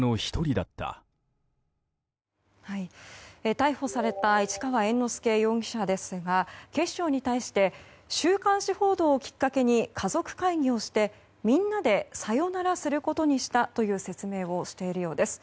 逮捕された市川猿之助容疑者ですが警視庁に対して週刊誌報道をきっかけに家族会議をしてみんなでさよならすることにしたという説明をしているようです。